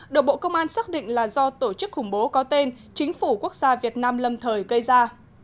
được bộ công an xác định là do tổ chức khủng bố có tên chính phủ quốc gia việt nam lâm thời gây ra